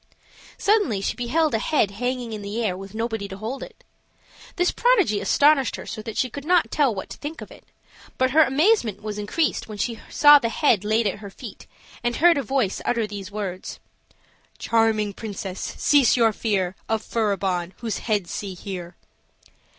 Suddenly she beheld a head hanging in the air, with nobody to hold it. This prodigy astonished her so that she could not tell what to think of it; but her amazement was increased when she saw the head laid at her feet, and heard a voice utter these words: "Charming Princess, cease your fear Of Furibon; whose head see here."